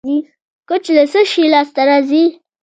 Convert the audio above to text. کوچ له څه شي لاسته راځي؟